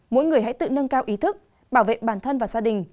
mỗi người hãy tự nâng cao ý thức bảo vệ bản thân và gia đình